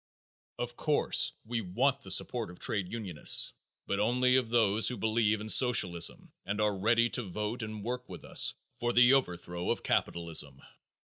Of course we want the support of trade unionists, but only of those who believe in socialism and are ready to vote and work with us for the overthrow of capitalism.